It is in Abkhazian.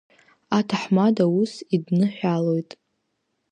Аҭаҳмада ус идныҳәалоит…